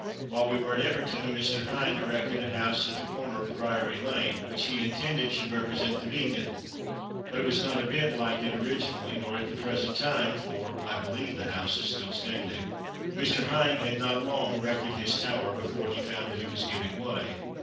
While we were at Everton, a Mr. Hinde erected a house at the corner of Priory lane, which he intended should represent the Beacon; but it was not a bit like it originally, nor at the present time (for I believe the house is still standing). Mr. Hinde had not long erected his Tower before he found that it was giving way.